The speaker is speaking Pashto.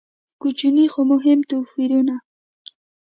کوچني خو مهم توپیرونه.